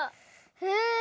へえ！